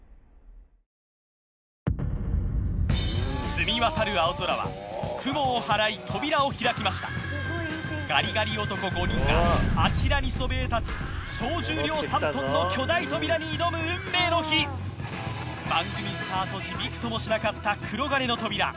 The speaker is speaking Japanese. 澄み渡る青空は雲を払い扉を開きましたガリガリ男５人があちらにそびえ立つ総重量３ｔの巨大扉に挑む運命の日番組スタート時ビクともしなかったくろがねの扉